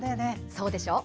そうでしょう？